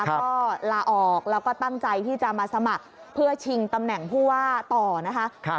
ก็ลาออกแล้วก็ตั้งใจที่จะมาสมัครเพื่อชิงตำแหน่งผู้ว่าต่อนะคะ